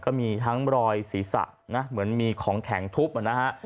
ก็มีทั้งรอยศีรษะนะเหมือนมีของแข็งทุบนะฮะ